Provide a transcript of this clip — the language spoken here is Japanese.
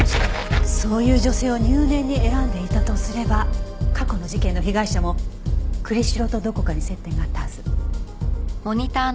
そういう女性を入念に選んでいたとすれば過去の事件の被害者も栗城とどこかに接点があったはず。